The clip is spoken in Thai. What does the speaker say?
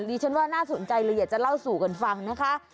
ดิฉันว่าน่าสนใจเลยอยากจะเล่าสู่กันฟังนะคะ